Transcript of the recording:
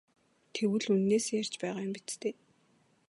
Тэгвэл үнэнээсээ ярьж байгаа юм биз дээ?